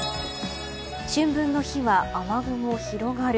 春分の日は雨雲広がる。